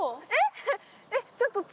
えっ！